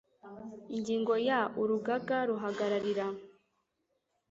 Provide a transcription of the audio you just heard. Ingingo ya Urugaga ruhagararira